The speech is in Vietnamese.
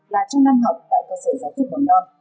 tại cơ sở giáo dục mỏng non